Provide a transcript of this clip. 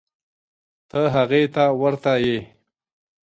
ته هغې ته ورته یې.